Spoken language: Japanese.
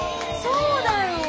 そうだよ。